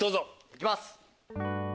いきます！